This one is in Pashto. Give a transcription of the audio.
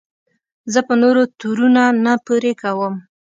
زه په نورو تورونه نه پورې کوم.